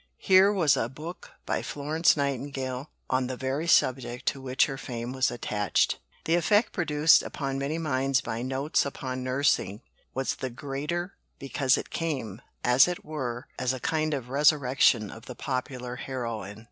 Here was a book by Florence Nightingale on the very subject to which her fame was attached. The effect produced upon many minds by Notes upon Nursing was the greater because it came, as it were, as a kind of resurrection of the popular heroine.